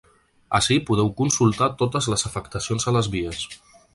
Ací podeu consultar totes les afectacions a les vies.